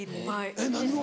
えっ何を？